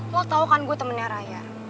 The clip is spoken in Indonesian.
lo tau kan gue temennya raya